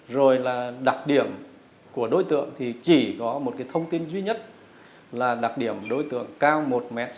rồi là đặc điểm của đối tượng thì chỉ có một cái thông tin duy nhất là đặc điểm đối tượng cao một m sáu